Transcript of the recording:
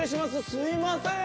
すいません。